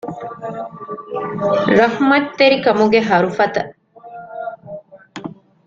ރަޙްމަތްތެރިކަމުގެ ހަރުފަތަށް